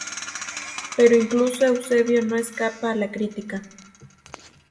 Pero incluso Eusebio no escapa a la crítica.